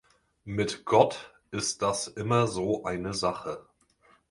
Mit Gott ist das immer so eine Sache.